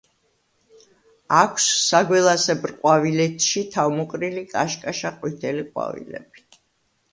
აქვს საგველასებრ ყვავილედში თავმოყრილი კაშკაშა ყვითელი ყვავილები.